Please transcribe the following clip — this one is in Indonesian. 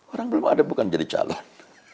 orang belum ada bukan jadi calon